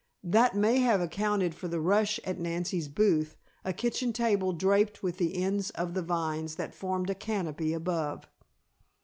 That may have accounted for the rush at Nancy's booth, a kitchen table draped with the ends of the vines that formed a canopy above.